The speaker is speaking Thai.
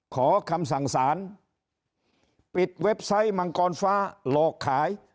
ขอคำสั่งสารปิดเว็บไซต์มังกรฟ้าหลอกขาย